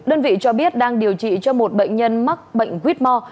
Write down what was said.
đơn vị cho biết đang điều trị cho một bệnh nhân mắc bệnh quýt mò